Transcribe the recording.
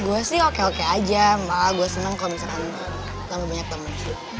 gue sih oke oke aja malah gue seneng kalo misalkan tambah banyak temen